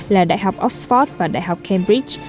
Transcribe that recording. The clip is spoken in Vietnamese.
là đại học oxford và đại học cambridge